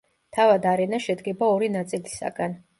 თავად არენა შედგება ორი ნაწილისაგან.